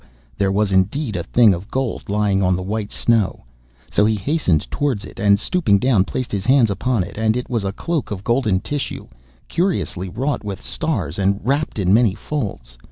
there was indeed a thing of gold lying on the white snow. So he hastened towards it, and stooping down placed his hands upon it, and it was a cloak of golden tissue, curiously wrought with stars, and wrapped in many folds.